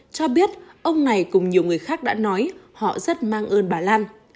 cho biết ông này cùng nhiều người khác đã nói họ rất mang ơn bà lan